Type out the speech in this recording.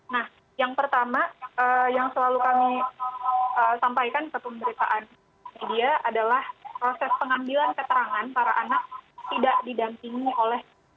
nah yang pertama yang selalu kami sampaikan ke pemberitaan media adalah proses pengambilan keterangan para anak tidak didampingi oleh